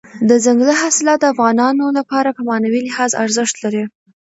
دځنګل حاصلات د افغانانو لپاره په معنوي لحاظ ارزښت لري.